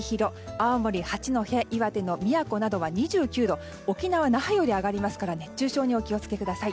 青森の八戸や岩手などは２９度沖縄の那覇より上がるので熱中症にお気をつけください。